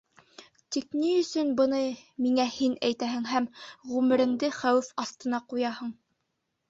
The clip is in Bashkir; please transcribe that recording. Тик ни өсөн быны миңә һин әйтәһең һәм ғүмереңде хәүеф аҫтына ҡуяһың?